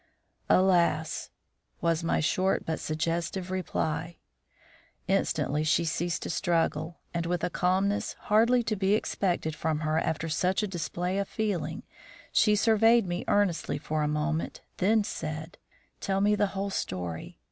"Alas!" was my short but suggestive reply. Instantly she ceased to struggle, and with a calmness hardly to be expected from her after such a display of feeling, she surveyed me earnestly for a moment, then said: "Tell me the whole story.